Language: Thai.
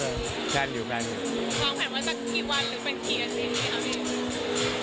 ความแผนว่าจะกี่วันหรือเป็นกี่อาทิตย์ครับ